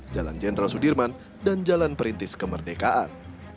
jalan jenderal sudirman dan jalan perintis kemerdekaan